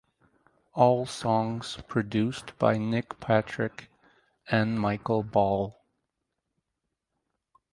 All songs produced by Nick Patrick and Michael Ball.